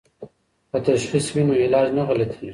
که تشخیص وي نو علاج نه غلطیږي.